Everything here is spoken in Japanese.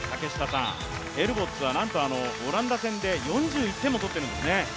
ヘルボッツはなんと、オランダ戦で４１点も取っているんですね。